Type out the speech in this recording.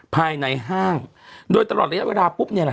ภายในห้างโดยตลอดระยะเวลาปุ๊บเนี่ยแหละ